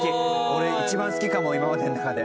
俺一番好きかも今までの中で。